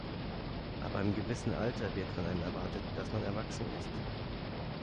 Ab einem gewissen Alter wird von einem erwartet, dass man erwachsen ist.